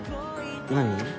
何？